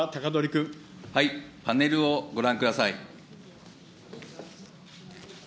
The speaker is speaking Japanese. パネルをご覧ください。